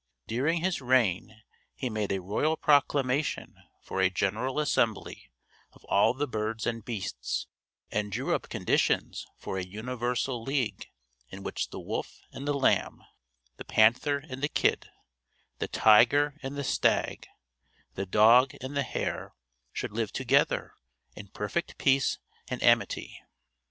During his reign he made a royal proclamation for a general assembly of all the birds and beasts, and drew up conditions for a universal league, in which the Wolf and the Lamb, the Panther and the Kid, the Tiger and the Stag, the Dog and the Hare, should live together in perfect peace and amity.